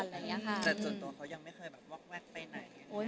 แต่ส่วนตัวเขายังไม่เคยแบบวอกแวกไปไหน